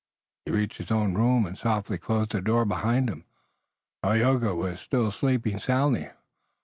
He reached his own room and softly closed the door behind him. Tayoga was still sleeping soundly.